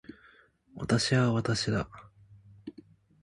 私は私だ。